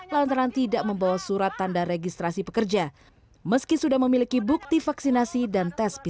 lantaran tidak membawa surat tanda registrasi pekerja meski sudah memiliki bukti vaksinasi dan tes pcr